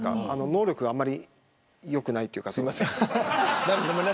能力があんまり良くないというかすいません。